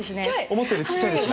思ったより小っちゃいですね。